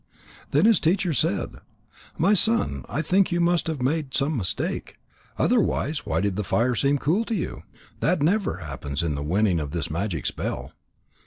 Then his teacher said: "My son, I think you must have made some mistake. Otherwise, why did the fire seem cool to you? That never happens in the winning of this magic spell."